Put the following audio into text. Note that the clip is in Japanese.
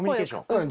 うん。